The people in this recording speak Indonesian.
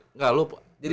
engga lu di basketnya apa